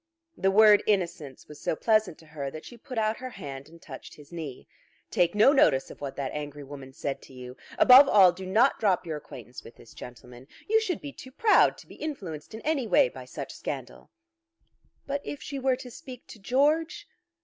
The word innocence was so pleasant to her that she put out her hand and touched his knee. "Take no notice of what that angry woman said to you. Above all, do not drop your acquaintance with this gentleman. You should be too proud to be influenced in any way by such scandal." "But if she were to speak to George?"